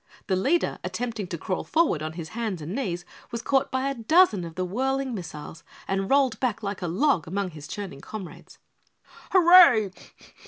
The leader, attempting to crawl forward on his hands and knees, was caught by a dozen of the whirling missiles and rolled back like a log among his churning comrades. "Hurray!